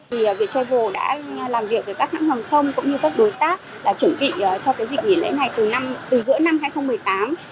việt travel đã làm việc với các hãng hàng không cũng như các đối tác chuẩn bị cho dịch nghỉ lễ này từ giữa năm hai nghìn một mươi tám